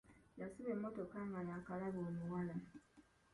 Yasiba emmotoka nga yaakalaba omuwala.